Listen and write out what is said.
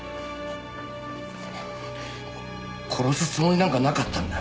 殺すつもりなんかなかったんだ。